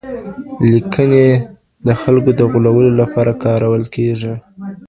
لیکنې د خلګو د غولولو لپاره کارول کیږي.